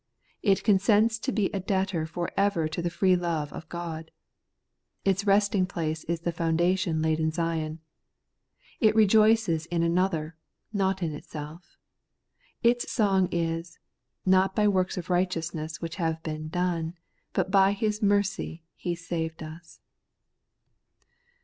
It consents to be a debtor for ever to the free love of God. Its resting place is the foundation laid in Zion. It rejoices in another, not in itself Its song is, ' Not by works of righteousness which we have done, but by His mercy He saved us.'